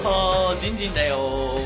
じんじんだよ！